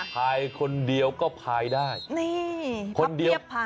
พายคนเดียวก็พายได้